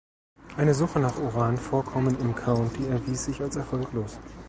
Eine Suche nach Uranvorkommen im County erwies sich als erfolglos.